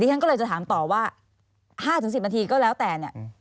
ฉันก็เลยจะถามต่อว่า๕๑๐นาทีก็แล้วแต่เนี่ย